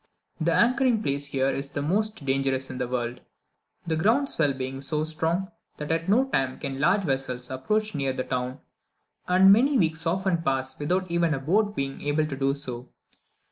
The anchoring place here is the most dangerous in the world, the ground swell being so strong that at no time can large vessels approach near the town, and many weeks often pass without even a boat being able to do so.